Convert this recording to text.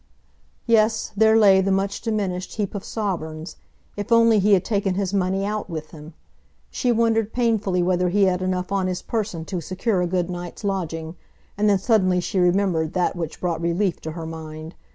Yes, there lay the much diminished heap of sovereigns. If only he had taken his money out with him! She wondered painfully whether he had enough on his person to secure a good night's lodging, and then suddenly she remembered that which brought relief to her mind.